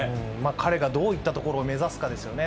彼がどういったところを目指すかですよね。